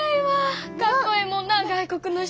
かっこええもんな外国の人。